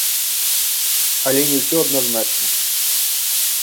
Але не ўсё адназначна.